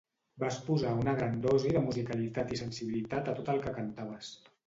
Vas posar una gran dosi de musicalitat i sensibilitat a tot el que cantaves.